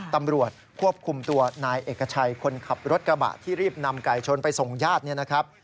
ตำรวจควบคุมตัวนายเอกชัยคนขับรถกระบะที่รีบนำไก่ชนไปส่งญาติเนี่ยนะครับ